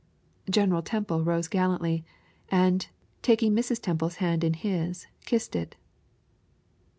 General Temple rose gallantly, and, taking Mrs. Temple's hand in his, kissed it.